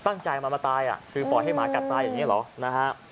ตั้งใจมามาตายคือปล่อยให้หมากัดตายอย่างนี้เหรอนะฮะ